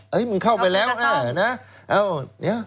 เฮ้ยมึงเข้าไปแล้วเออนี่